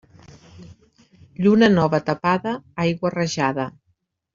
Lluna nova tapada, aigua rajada.